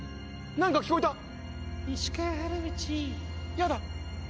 やだ。